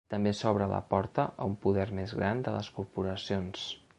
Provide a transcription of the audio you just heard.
També s’obre la porta a un poder més gran de les corporacions.